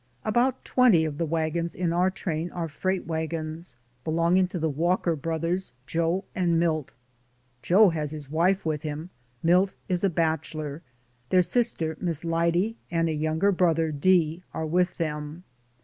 About twenty of the wagons in our train are freight wagons, be longing to the Walker Brothers, Joe and Milt. Joe has his wife with him. Milt is a bachelor; their sister, Miss Lyde, and a younger brother, De, are with them.